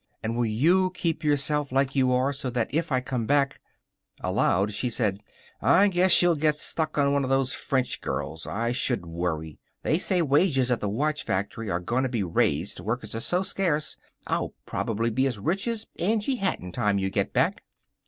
And will you keep yourself like you are so that if I come back " Aloud, she said: "I guess you'll get stuck on one of those French girls. I should worry! They say wages at the watch factory are going to be raised, workers are so scarce. I'll probably be as rich as Angie Hatton time you get back."